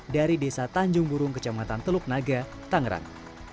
dari desa tanjung burung kecamatan teluk naga tangerang